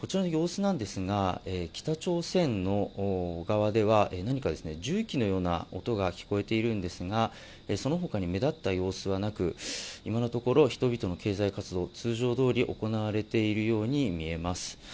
こちらの様子なんですが北朝鮮側では、何か重機のような音が聞こえているんですが、そのほかに目立った様子はなく、今のところ、人々の経済活動、通常どおり行われているように見えます。